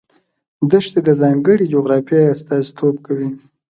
دښتې د ځانګړې جغرافیې استازیتوب کوي.